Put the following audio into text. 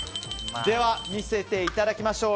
では、見せていただきましょう。